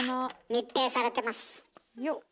密閉されてます。